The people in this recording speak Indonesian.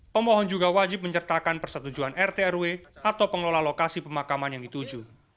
pemohon juga wajib menyertakan persetujuan rtrw atau pengelola lokasi pemakaman yang dituju